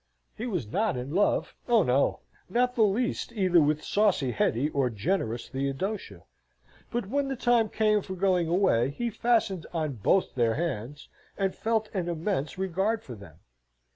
He was not in love; oh no! not the least, either with saucy Hetty or generous Theodosia but when the time came for going away, he fastened on both their hands, and felt an immense regard for them.